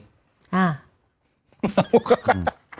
ฮ่า